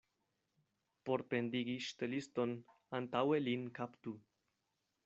Por pendigi ŝteliston, antaŭe lin kaptu.